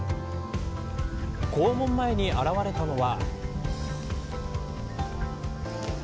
校門前に現れたのは。